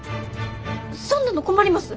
そんなの困ります。